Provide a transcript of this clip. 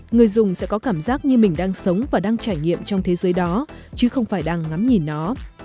người dùng sẽ có cảm giác như mình đang sống và đang trải nghiệm trong thế giới đó chứ không phải đang ngắm nhìn nó